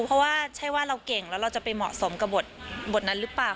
เพราะว่าใช่ว่าเราเก่งแล้วเราจะไปเหมาะสมกับบทนั้นหรือเปล่า